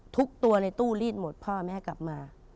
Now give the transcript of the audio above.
ทุกตัวในตู้รีดหมดพ่อแม่กลับมา